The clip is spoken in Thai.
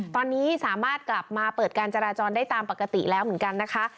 ตอนนี้สามารถกลับมาเปิดการจราจรได้ตามปกติแล้วเหมือนกันนะคะ